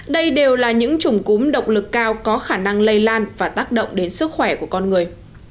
đây đều là những chủng cúm động lực cao có khả năng lây lan và tác động đến sức khỏe của con người